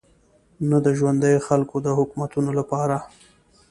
نه د ژونديو خلکو د حکومتونو لپاره.